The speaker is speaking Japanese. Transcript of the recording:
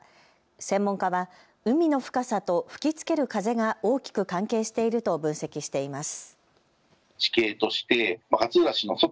専門家は海の深さと吹きつける風が大きく関係していると分析しています。